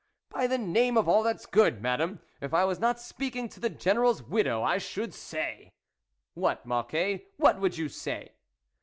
" "By the name of all that's good, Madame, if I was not speaking to the General's widow I should say " "What Mocquet? What would you say